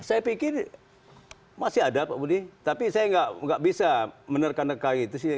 saya pikir masih ada pak budi tapi saya nggak bisa menerka neka itu sih